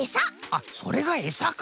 あっそれがエサか。